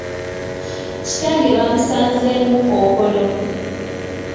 Kitange bamusanzeemu kkookolo.